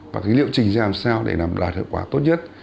và cái liệu trình ra làm sao để làm đạt hiệu quả tốt nhất